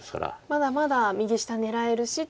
まだまだ右下狙えるしと。